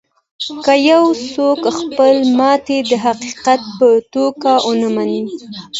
که يو څوک خپله ماتې د حقيقت په توګه و نه مني.